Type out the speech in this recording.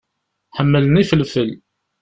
Ḥemmlen ifelfel.